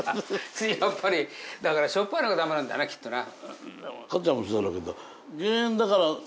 やっぱりだからしょっぱいのがダメなんだよなきっとな。